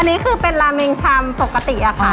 อันนี้คือเป็นราเมงชามปกติอะค่ะ